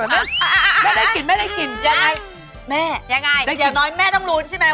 แม่ไม่รู้สิแต่แม่คุยกับเชฟอะนะแม่ได้กิน